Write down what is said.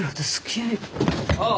ああ。